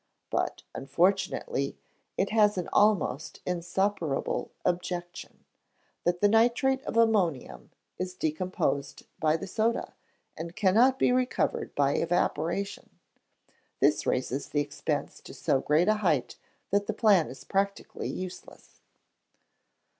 But, unfortunately, it has an almost insuperable objection, that the nitrate of ammonium is decomposed by the soda, and cannot be recovered by evaporation; this raises the expense to so great a height, that the plan is practically useless.